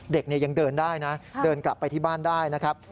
เด็กยังเดินได้นะเดินกลับไปที่บ้านได้นะครับ